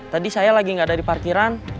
tadi saya lagi nggak ada di parkiran